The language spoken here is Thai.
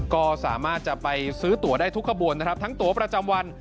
ก็สามารถจะไปซื้อตัวได้ทุกขบวนนะครับทั้งตัวประจำวัน